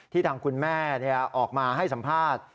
ทางคุณแม่ออกมาให้สัมภาษณ์